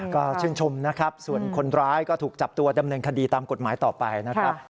ก็ชื่นชมนะครับส่วนคนร้ายก็ถูกจับตัวดำเนินคดีตามกฎหมายต่อไปนะครับ